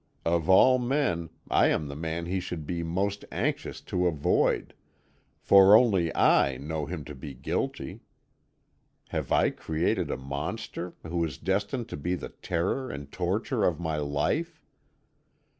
Of all men, I am the man he should be most anxious to avoid, for only I know him to be guilty. Have I created a monster who is destined to be the terror and torture of my life?